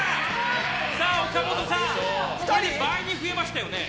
岡本さん、倍に増えましたね。